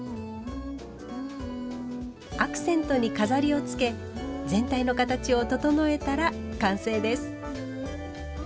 アクセントに飾りをつけ全体の形を整えたら完成です。